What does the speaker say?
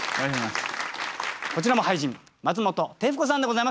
こちらも俳人松本てふこさんでございます。